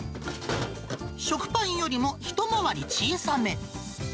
食パンよりも一回り小さめ。